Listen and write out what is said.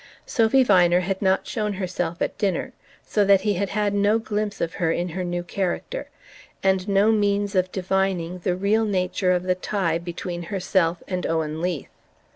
Sophy Viner had not shown herself at dinner, so that he had had no glimpse of her in her new character, and no means of divining the real nature of the tie between herself and Owen Leath.